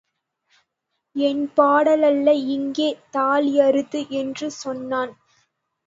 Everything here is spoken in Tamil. என்பாடல்ல இங்கே தாலி அறுது —என்று சொன்னான்.